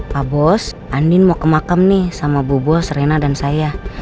pak bos andin mau ke makam nih sama bu bos rena dan saya